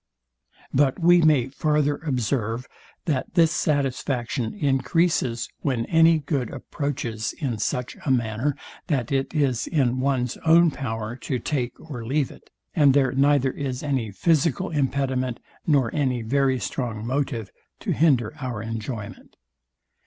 But we may farther observe, that this satisfaction encreases, when any good approaches in such a manner that it is in one's own power to take or leave it, and there neither is any physical impediment, nor any very strong motive to hinder our enjoyment.